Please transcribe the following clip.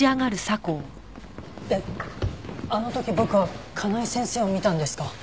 えっあの時僕は香奈枝先生を見たんですか？